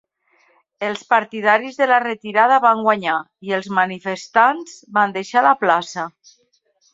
Els partidaris de la retirada van guanyar, i els manifestants van deixar la plaça.